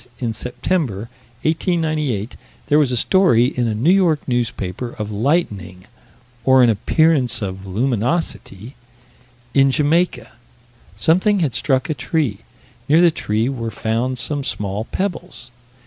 In September, 1898, there was a story in a New York newspaper, of lightning or an appearance of luminosity? in Jamaica something had struck a tree: near the tree were found some small pebbles.